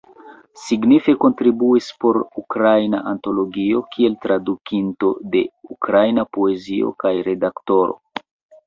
Signife kontribuis por Ukraina Antologio kiel tradukinto de ukraina poezio kaj redaktoro.